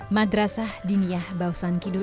madrasah diniah bausan kidul